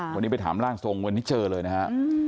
วันนี้ไปถามร่างทรงวันนี้เจอเลยนะฮะ